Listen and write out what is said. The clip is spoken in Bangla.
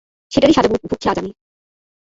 সেটারই সাজা ভুগছি আজ আমি।